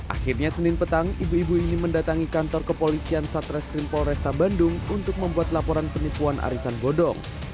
akhirnya senin petang ibu ibu ini mendatangi kantor kepolisian satreskrim polresta bandung untuk membuat laporan penipuan arisan bodong